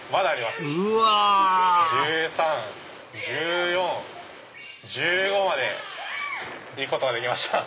１５まで行くことができました。